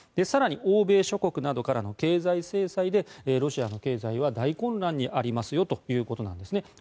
更に欧米諸国などからの経済制裁でロシアの経済は大混乱にありますよということなんですね。